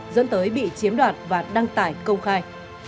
dẫn tới bị chiếm đoạt và đăng tải công khai